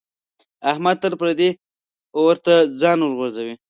احمد تل پردي اور ته ځان ورغورځوي.